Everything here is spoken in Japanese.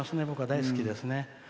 僕は大好きですね。